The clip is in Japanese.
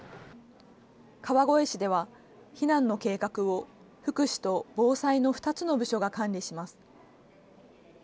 川越市では、避難の計画を福祉と防災の２つの部署が管理します。